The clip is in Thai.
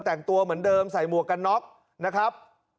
แต่งตัวเหมือนเดิมใส่หมวกกันน็อกนะครับ